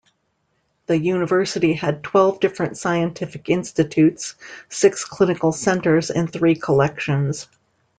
The University had twelve different scientific institutes, six clinical centers, and three collections.